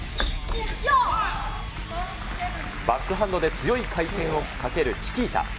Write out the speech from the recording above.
バックハンドで強い回転をかける、チキータ。